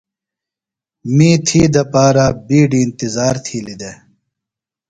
می تھی دپارہ بِیڈیۡ اِنتِظار تِھیلیۡ دےۡ۔